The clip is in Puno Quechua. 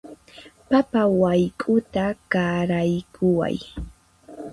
Papa wayk'uta qaraykuway